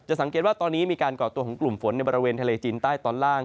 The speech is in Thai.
สังเกตว่าตอนนี้มีการก่อตัวของกลุ่มฝนในบริเวณทะเลจีนใต้ตอนล่าง